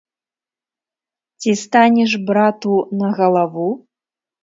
Ці станеш брату на галаву?